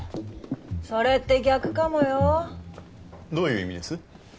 それって逆かもよどういう意味です？